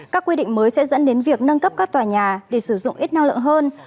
các quy định mới sẽ dẫn đến việc nâng cấp các tòa nhà để sử dụng ít năng lượng hơn